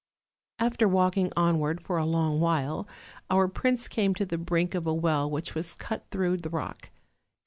After walking onward for a long while, our prince came to the brink of a well which was cut through the rock.